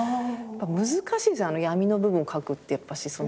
難しいですよねあの闇の部分を描くってやっぱし。